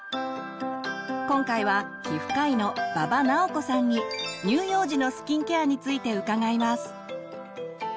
今回は皮膚科医の馬場直子さんに乳幼児のスキンケアについて伺います。